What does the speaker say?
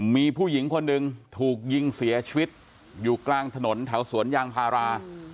มีผู้หญิงคนหนึ่งถูกยิงเสียชีวิตอยู่กลางถนนแถวสวนยางพารา